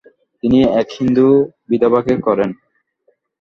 তিনি এক হিন্দু বিধবাকে করেন।